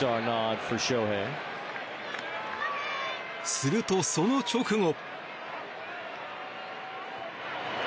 すると、その直後。